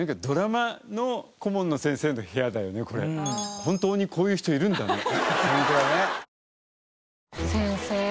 本当にこういう人いるんだなって。